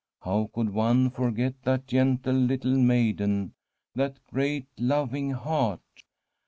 How could one forget that gentle little maiden, that great loving heart?